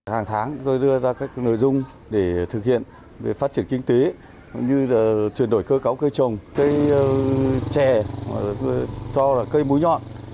hàng tháng tôi đưa ra các nội dung để thực hiện phát triển kinh tế như chuyển đổi cơ cấu cây trồng cây chè do cây múi nhọn